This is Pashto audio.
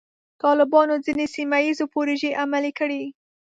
طالبانو ځینې سیمه ییزې پروژې عملي کړې.